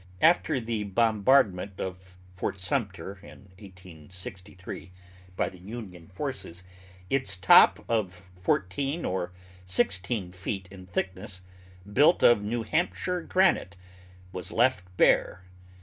After the bombardment of Port Sumter in 1863, by the Union forces, its top of fourteen or sixteen feet in thickness, built of New Hampshire granite, was left bare.